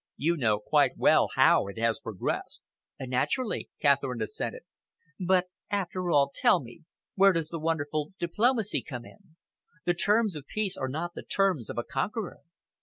You know quite well how it has progressed." "Naturally," Catherine assented, "but after all, tell me, where does the wonderful diplomacy come in? The terms of peace are not the terms of a conqueror.